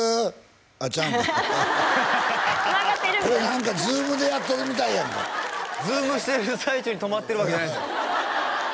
あっちゃうんかつながってるみたいなこれ何かＺｏｏｍでやってるみたいやんかＺｏｏｍしてる最中に止まってるわけじゃないですよ